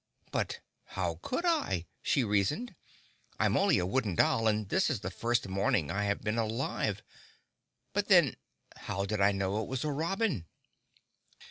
But how could I?" she reasoned, "I'm only a Wooden Doll and this is the first morning I have been alive. But then, how did I know it was a robin?"